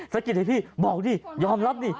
สะกิดให้พี่บอกดิยอมรับดิ